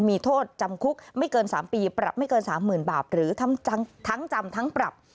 มีโทษจำคุกไม่เกิน๓ปีปรับไม่เกิน๓๐๐๐บาทหรือทั้งจำทั้งปรับ